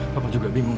papa juga bingung